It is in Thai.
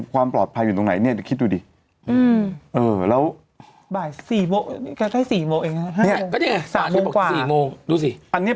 ความปลอดภัยอยู่ตรงไหนเนี่ยคิดดูดิ